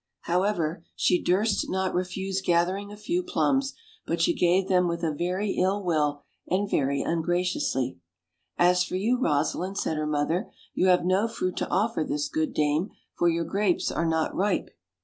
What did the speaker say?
However, OLD, OLD FAIRY TALES. gj she durst not refuse gathering a few plums, but she gave them with a very ill will, and very ungraciously. "As for you, Rosalind," said her mother, "you have no fruit to offer this good dame, for your grapes are not ripe.